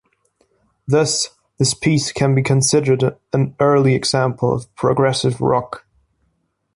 Thus, this piece can be considered an early example of progressive rock.